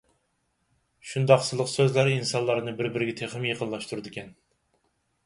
شۇنداق سىلىق سۆزلەر ئىنسانلارنى بىر-بىرىگە تېخىمۇ يېقىنلاشتۇرىدىكەن.